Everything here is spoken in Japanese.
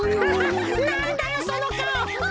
ハハなんだよそのかお！